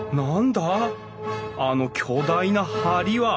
あの巨大な梁は！